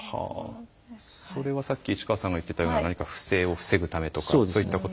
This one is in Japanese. それはさっき市川さんが言っていたような何か不正を防ぐためとかそういったことが。